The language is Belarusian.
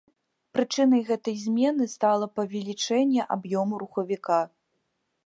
Прычынай гэтай змены стала павелічэнне аб'ёму рухавіка.